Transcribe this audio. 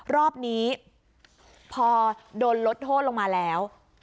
รอบนี้พอโดนลดโทษลงมาแล้ว